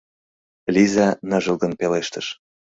— Лиза ныжылгын пелештыш.